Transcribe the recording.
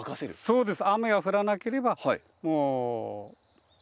そうです。